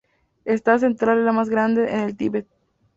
Esta central es la más grande en el Tíbet.